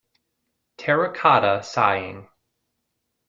Terracotta Sighing.